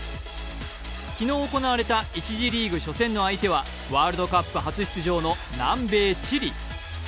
昨日行われた１次リーグ初戦の相手はワールドカップ初出場の南米チリ。